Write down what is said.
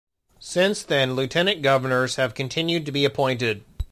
Since then Lieutenant Governors have continued to be appointed.